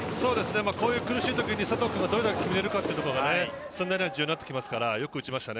こういう苦しいときに佐藤君がどれだけ決められるかというところは駿台では重要になってきますからよく打ちましたよね。